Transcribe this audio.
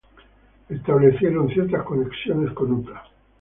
Louis tuvieron establecieron ciertas conexiones con Utah.